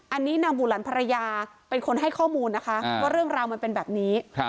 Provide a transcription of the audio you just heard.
อันนี้นางบูหลันภรรยาเป็นคนให้ข้อมูลนะคะว่าเรื่องราวมันเป็นแบบนี้